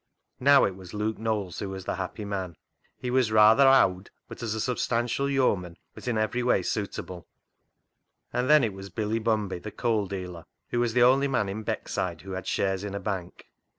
Now it was Luke Knowles who was the happy man. He was " rather owd," but, as a substantial yeoman, was in every way suitable ; and then it was Billy Bumby, the coal dealer, who was the only man in Beckside who had shares in a bank.